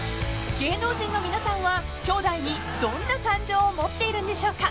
［芸能人の皆さんはきょうだいにどんな感情を持っているんでしょうか］